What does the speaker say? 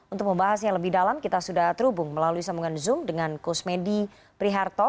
untuk membahasnya lebih dalam kita sudah terhubung melalui sambungan zoom dengan kusmedi priharto